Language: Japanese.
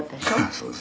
「そうですね」